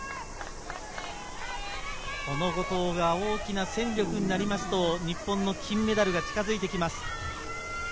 後藤が大きな戦力になりますと、日本の金メダルが近づいてきます。